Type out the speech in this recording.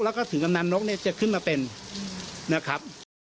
แล้วก็ถึงกำนันนกเนี่ยจะขึ้นมาเป็นนะครับ